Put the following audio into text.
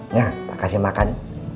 nah kasih makan